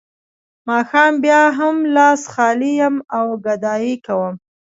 ماښام بیا هم لاس خالي یم او ګدايي کوم